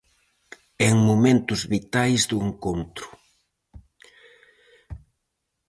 E en momentos vitais do encontro.